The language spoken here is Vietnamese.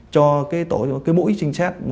cho cái mũi trinh sát